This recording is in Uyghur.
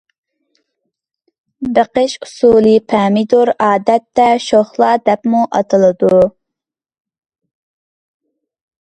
بېقىش ئۇسۇلى پەمىدۇر ئادەتتە شوخلا دەپمۇ ئاتىلىدۇ.